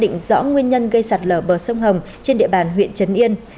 để kiểm tra xác định rõ nguyên nhân gây sạt lở bờ sông hồng trên địa bàn huyện trấn yên